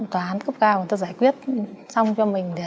tòa án cấp cao người ta giải quyết xong cho mình